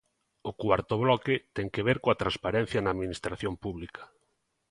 O cuarto bloque ten que ver coa transparencia na Administración pública.